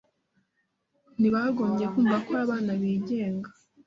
ntibagombye kumva ko abana bigenga